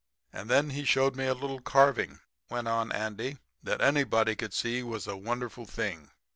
"'And then he showed me a little carving,' went on Andy, 'that anybody could see was a wonderful thing.